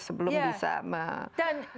sebelum bisa memperbaiki yang lain